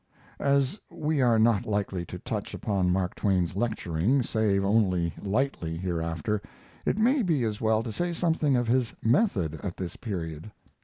As we are not likely to touch upon Mark Twain's lecturing, save only lightly, hereafter, it may be as well to say something of his method at this period.